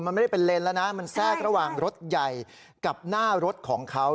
มันไม่ได้เป็นเลนแล้วนะมันแทรกระหว่างรถใหญ่กับหน้ารถของเขา